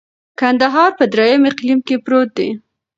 کندهار په دریم اقلیم کي پروت دی.